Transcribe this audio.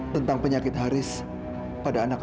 tentang penyakit haris pada anak anak